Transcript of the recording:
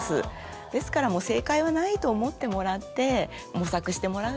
ですから正解はないと思ってもらって模索してもらうのがいいですね。